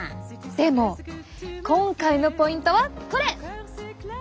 でも今回のポイントはこれ。